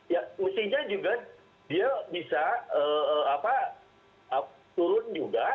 ya mestinya juga dia bisa turun juga